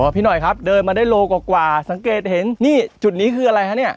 พี่หน่อยครับเดินมาได้โลกว่าสังเกตเห็นนี่จุดนี้คืออะไรฮะเนี่ย